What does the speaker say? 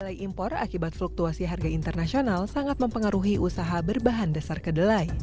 nilai impor akibat fluktuasi harga internasional sangat mempengaruhi usaha berbahan dasar kedelai